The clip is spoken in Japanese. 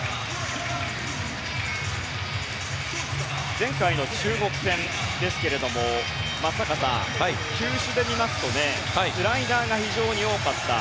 前回の中国戦ですが球種で見ますとスライダーが非常に多かった。